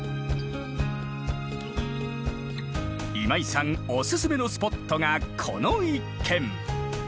今井さんおすすめのスポットがこの一軒。